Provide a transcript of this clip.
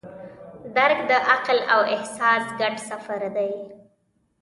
درک د عقل او احساس ګډ سفر دی.